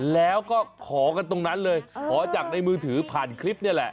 แล้วก็ขอกันตรงนั้นเลยขอจากในมือถือผ่านคลิปนี่แหละ